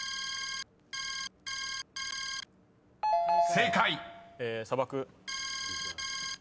［正解］